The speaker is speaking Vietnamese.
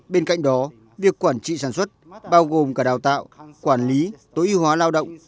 bên cạnh đó việc quản trị sản xuất bao gồm cả đào tạo quản lý tối ưu hóa lao động